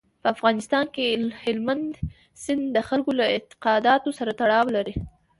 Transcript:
په افغانستان کې هلمند سیند د خلکو له اعتقاداتو سره تړاو لري.